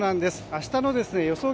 明日の予想